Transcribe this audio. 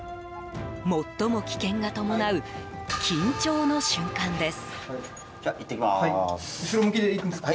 最も危険が伴う緊張の瞬間です。